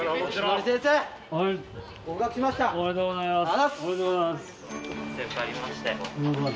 ありがとうございます！